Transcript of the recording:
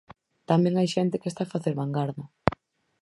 Tamén hai xente que está a facer vangarda.